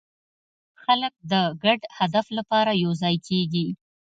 خلک د ګډ هدف لپاره یوځای کېږي.